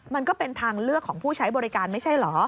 มันก็เป็นทางเลือกของผู้ใช้บริการไม่ใช่เหรอ